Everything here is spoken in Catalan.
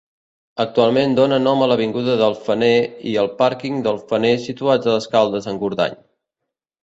Actualment dóna nom a l'avinguda del Fener i al pàrquing del Fener situats a Escaldes-Engordany.